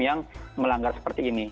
yang melanggar seperti ini